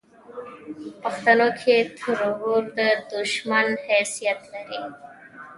پښتنو کې تربور د دوشمن حیثت لري